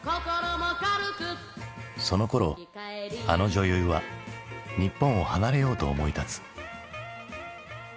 そのころあの女優は日本を離れようと思い立つ。